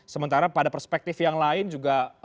sementara pada perspektif yang lain juga